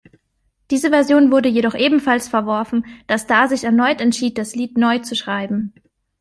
Diese Version wurde jedoch ebenfalls verworfen, da Starr sich erneut entschied, das Lied neu zu schreiben.